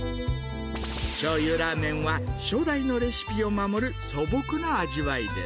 しょう油ラーメンは、初代のレシピを守る素朴な味わいです。